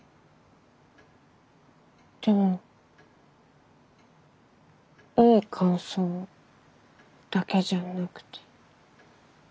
でもいい感想だけじゃなくて。